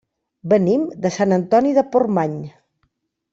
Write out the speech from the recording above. Venim de Sant Antoni de Portmany.